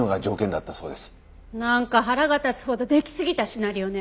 なんか腹が立つほどできすぎたシナリオね。